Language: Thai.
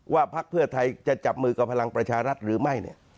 พักเพื่อไทยจะจับมือกับพลังประชารัฐหรือไม่